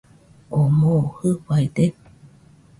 ¿Oo moo jɨfaide?